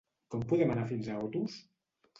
Com podem anar fins a Otos?